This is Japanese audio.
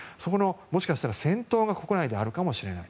もしかしたら戦闘が国内であるかもしれない。